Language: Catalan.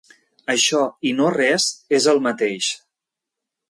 Això i no res és el mateix.